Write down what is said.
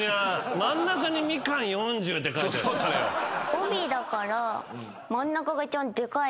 帯だから。